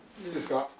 いいですか？